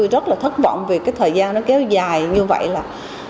tôi rất là thất vọng vì cái thời gian nó kéo dài như vậy là